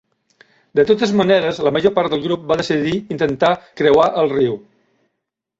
De totes maneres, la major part del grup va decidir intentar creuar el riu.